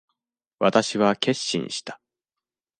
私は決心した。